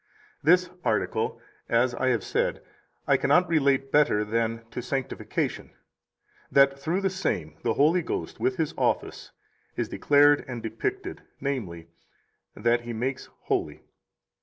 35 This article (as I have said) I cannot relate better than to Sanctification, that through the same the Holy Ghost, with His office, is declared and depicted, namely, that He makes holy.